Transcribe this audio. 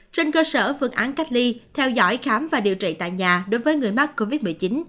trên cơ sở phương án cách ly theo dõi khám và điều trị tại nhà đối với người mắc covid một mươi chín